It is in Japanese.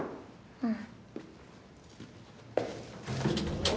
うん。